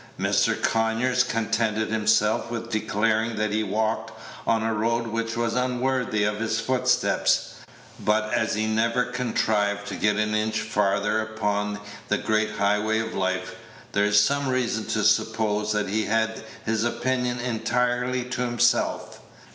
Mr. Conyers contented himself with declaring that he walked on a road which was unworthy of his footsteps, but as he never contrived to get an inch farther upon the great highway of life, there is some reason to suppose that he had his opinion entirely to himself.